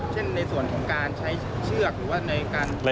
เช่นในส่วนของการใช้เชือกหรือว่าในการ